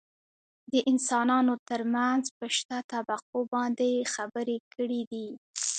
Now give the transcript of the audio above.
دانسانانو ترمنځ په شته طبقو باندې يې خبرې کړي دي .